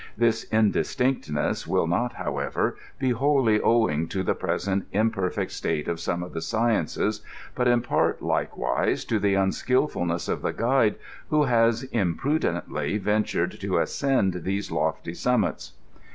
This indistinctness will not, however, be wholly owing to the present imperfect state of some of the sciences, but in part, likewise, to the unskill fulness of the guide who has imprudently ventur^ to ascend these lofty summits.